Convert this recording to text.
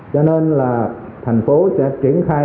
cho nên là thành phố sẽ triển khai